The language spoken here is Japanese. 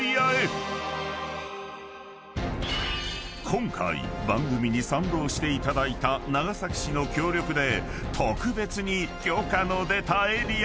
［今回番組に賛同していただいた長崎市の協力で特別に許可の出たエリアに］